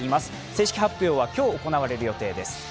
正式発表は今日行われる予定です。